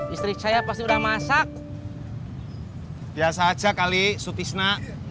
istri saya pasti udah masak biasa aja kali sutisna